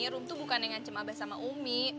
rum tuh bukan yang ngancem aba sama umi